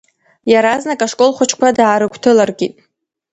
Иаразнак ашкол хәыҷқәа даарыгәҭыларкит.